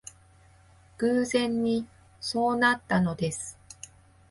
偶然にそうなったのです